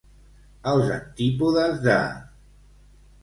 Als antípodes de.